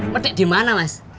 mertik dimana mas